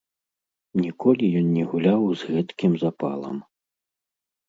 Ніколі ён не гуляў з гэткім запалам.